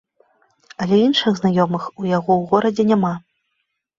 Але іншых знаёмых у яго ў горадзе няма.